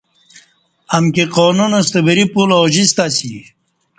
امکی قانون ستہ وری پُل اوجِستہ اسی